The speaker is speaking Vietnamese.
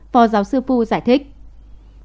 phó giáo sư phu giải thích